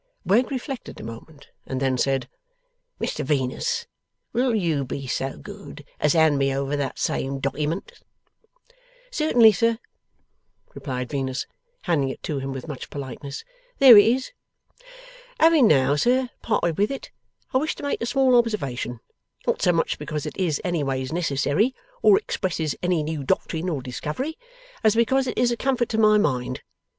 Wegg reflected a moment, and then said: 'Mr Venus, will you be so good as hand me over that same dockyment?' 'Certainly, sir,' replied Venus, handing it to him with much politeness. 'There it is. Having now, sir, parted with it, I wish to make a small observation: not so much because it is anyways necessary, or expresses any new doctrine or discovery, as because it is a comfort to my mind.